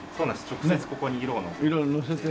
直接ここに色をのせて。